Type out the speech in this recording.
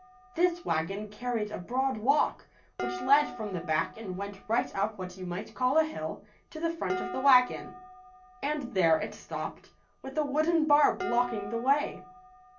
This wagon carried a broad walk which led from the back and went right up what you might call a hill, to the front of the wagon. And there it stopped, with a wooden bar blocking the way.